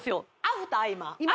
アフター今？